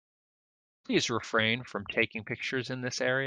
Please refrain from taking pictures in this area.